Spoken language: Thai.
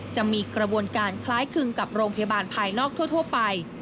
จะมีกระบวนการคล้ายคลึงกับโรงพยาบาลภายนอกทั่วไป